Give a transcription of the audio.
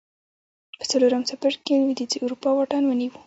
په څلورم څپرکي کې لوېدیځې اروپا واټن ونیو